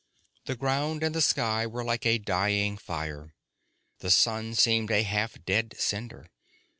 The ground and the sky were like a dying fire. The sun seemed a half dead cinder.